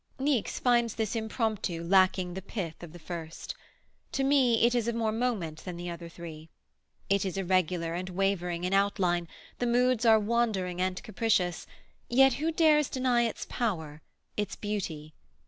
Niecks finds this Impromptu lacking the pith of the first. To me it is of more moment than the other three. It is irregular and wavering in outline, the moods are wandering and capricious, yet who dares deny its power, its beauty?